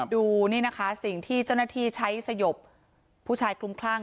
ดูนี่นะคะสิ่งที่เจ้าหน้าที่ใช้สยบผู้ชายคลุมคลั่ง